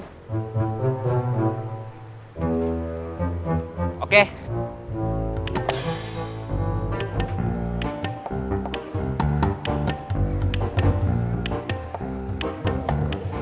udah gak mau kerja lagi di parkiran